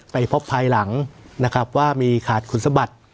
ไปพบภายหลังว่ามีขาดครูสะบัด